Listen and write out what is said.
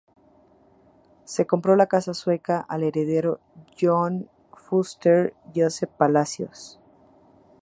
Se compró la casa de Sueca al heredero de Joan Fuster, Josep Palacios.